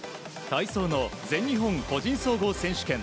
体操の全日本個人総合選手権。